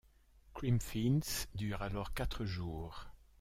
Creamfields dure alors quatre jours.